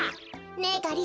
ねえがり